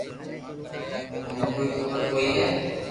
منو ڪوئي خبر ڪوئي ھي